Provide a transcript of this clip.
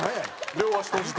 両足閉じて。